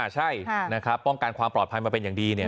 ใช่นะครับป้องกันความปลอดภัยมาเป็นอย่างดี